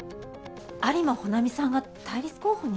有馬保奈美さんが対立候補に？